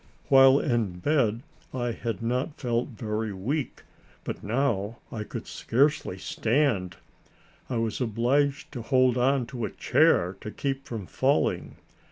While in bed I had not felt very weak, but now I could scarcely stand; I was obliged to hold on to a chair to keep from falling.